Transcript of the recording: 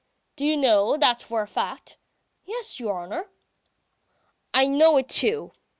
"Do you know that for a fact?" "Yes, your honour." "I know it, too.